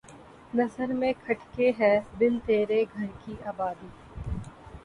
نظر میں کھٹکے ہے بن تیرے گھر کی آبادی